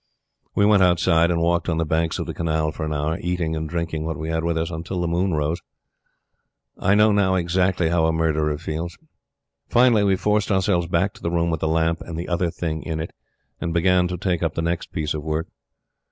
We went outside, and walked on the banks of the Canal for an hour, eating and drinking what we had with us, until the moon rose. I know now exactly how a murderer feels. Finally, we forced ourselves back to the room with the lamp and the Other Thing in it, and began to take up the next piece of work.